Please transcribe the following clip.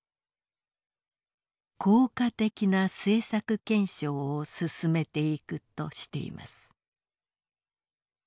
「効果的な政策検証を進めていく」としています。